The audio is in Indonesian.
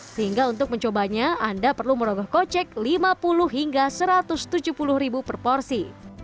sehingga untuk mencobanya anda perlu merogoh kocek lima puluh hingga satu ratus tujuh puluh ribu per porsi